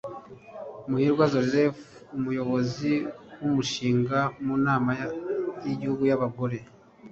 Muhirwa Zephy umuyobozi w’umushinga mu Nama y’Igihugu y’Abagore